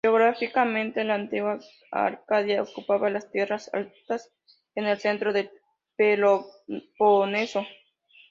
Geográficamente, la antigua Arcadia ocupaba las tierras altas en el centro del Peloponeso.